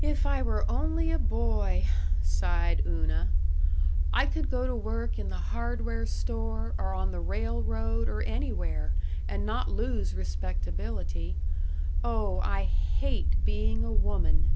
"If I were only a boy," sighed Una, "I could go to work in the hardware store or on the railroad or anywhere, and not lose respectability. Oh, I hate being a woman."